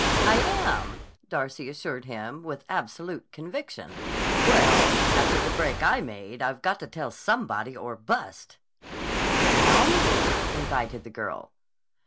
"I am," Darcy assured him with absolute conviction. "Well, after the break I made I've got to tell somebody or bust." "Tell me," invited the girl.